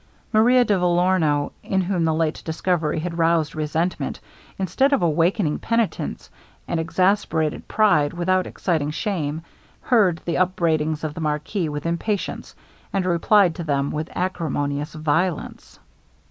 Maria de Vellorno, in whom the late discovery had roused resentment, instead of awakening penitence; and exasperated pride without exciting shame heard the upbraidings of the marquis with impatience, and replied to them with acrimonious violence.